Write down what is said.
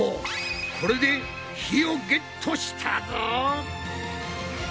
これで火をゲットしたぞ！